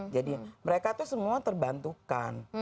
jadi mereka itu semua terbantukan